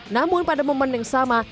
namun pada momen yang sama